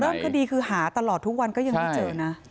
คดีคือหาตลอดทุกวันก็ยังไม่เจอนะ